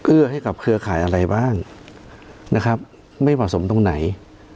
เอื้อให้กับเครือขายอะไรบ้างไม่ผสมตรงไหน